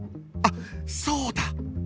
あっそうだ！